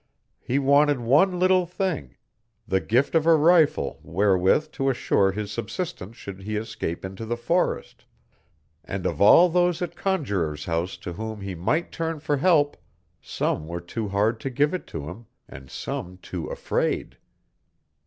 He wanted one little thing the gift of a rifle wherewith to assure his subsistence should he escape into the forest and of all those at Conjuror's House to whom he might turn for help, some were too hard to give it to him, and some too afraid!